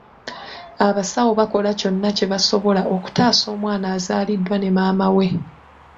Abasawo bakola kyonna kye basobola okutaasa omwana azaaliddwa ne maama we.